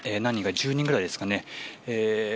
１０人ぐらいですかね。